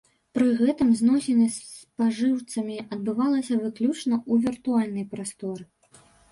Пры гэтым зносіны з спажыўцамі адбывалася выключна ў віртуальнай прасторы.